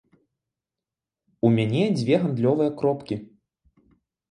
У мяне дзве гандлёвыя кропкі.